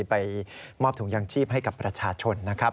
ไปมอบถุงยางชีพให้กับประชาชนนะครับ